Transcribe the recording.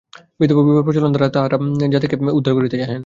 বিধবা-বিবাহের প্রচলন দ্বারা তাঁহারা জাতিকে উদ্ধার করিতে চাহেন।